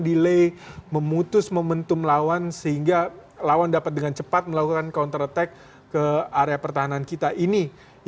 karena pemain pemain terlambat melakukan delay memutus momentum lawan sehingga lawan dapat dengan cepat melakukan counter attack ke area pertahanan kita ini